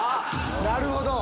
なるほど！